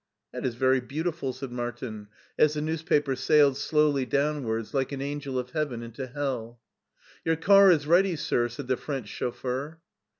" That is very beautiful," said Martin, as the news paper sailed slowly downwards like an angel of heaven into hell. " Your car is ready, sir," said the French chauffeur.